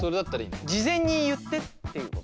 事前に言ってっていうこと？